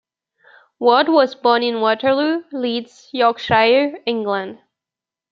Ward was born in Waterloo, Leeds, Yorkshire, England.